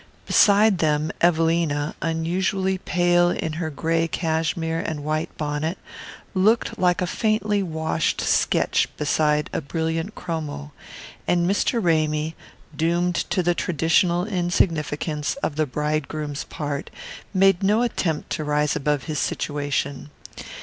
Beside them Evelina, unusually pale in her grey cashmere and white bonnet, looked like a faintly washed sketch beside a brilliant chromo; and Mr. Ramy, doomed to the traditional insignificance of the bridegroom's part, made no attempt to rise above his situation.